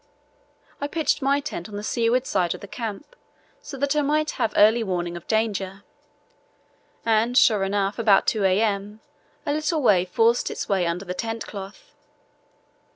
I pitched my tent on the seaward side of the camp so that I might have early warning of danger, and, sure enough, about 2 a.m. a little wave forced its way under the tent cloth.